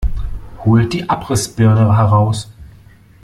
Holt die Abrissbirne heraus!